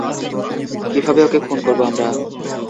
কীভাবে ওকে খুন করব আমরা?